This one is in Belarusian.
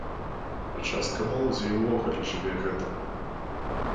А частка моладзі і ўвогуле жыве гэтым.